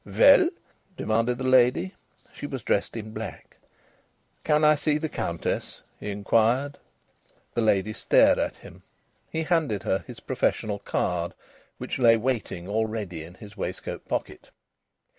"Well?" demanded the lady. She was dressed in black. "Can I see the Countess?" he inquired. The lady stared at him. He handed her his professional card which lay waiting all ready in his waistcoat pocket.